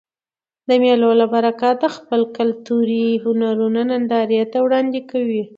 د مېلو له برکته خلک خپل کلتوري هنرونه نندارې ته وړاندي کوي.